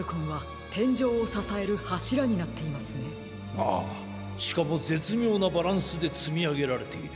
ああしかもぜつみょうなバランスでつみあげられている。